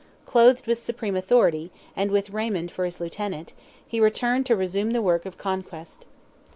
Clothed with supreme authority, and with Raymond for his lieutenant, he returned to resume the work of conquest.